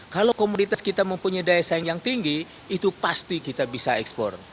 kalau komoditas kita mempunyai daya saing yang tinggi itu pasti kita bisa ekspor